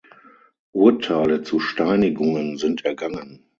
Urteile zu Steinigungen sind ergangen.